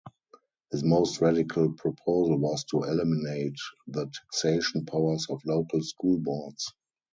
His most radical proposal was to eliminate the taxation powers of local school boards.